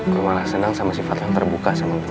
gue malah senang sama sifat yang terbuka sama aku